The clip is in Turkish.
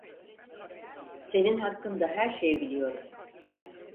Senin hakkında her şeyi biliyorum.